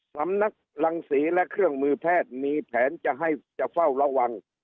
สำนักรังศรีและเครื่องมือแพทย์มีแผนจะให้จะเฝ้าระวัง